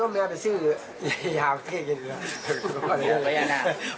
และยังไม่รู้เรียน